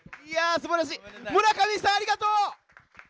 すばらしい、村上さん、ありがとう！